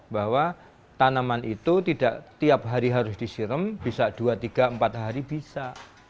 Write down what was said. bahwa tanaman itu tidak tiap hari harus disirem bisa dua tiga empat hari bisa